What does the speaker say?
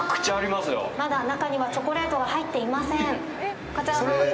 まだチョコレートが中に入っていません。